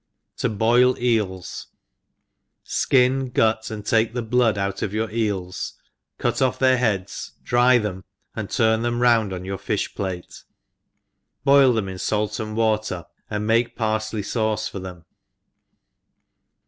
To 6ot7EEL$. SKIN, gut, and take the blood out of your eels cut off their heads, dry them, and turn them round on your fifli plate, boil them in fait and water, and make parfley fauce for them.